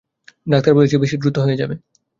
Doctor বলেছে, বেশি দ্রুত হয়ে যাবে।